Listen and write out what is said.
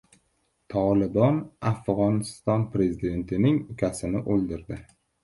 “Tolibon” Afg‘oniston Prezidentining ukasini o‘ldirdi